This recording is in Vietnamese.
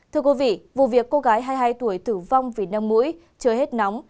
thưa quý vị vụ việc cô gái hai mươi hai tuổi tử vong vì nâm mũi chơi hết nóng